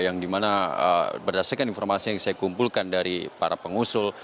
yang dimana berdasarkan informasi yang saya kumpulkan dari para pengusul